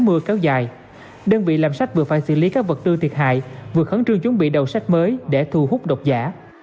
mưa kéo dài đơn vị làm sách vừa phải xử lý các vật tư thiệt hại vừa khẩn trương chuẩn bị đầu sách mới để thu hút độc giả